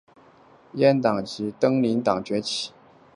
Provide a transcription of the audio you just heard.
阉党及东林党崛起。